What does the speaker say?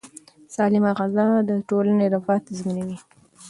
سالمه غذا د ټولنې رفاه تضمینوي.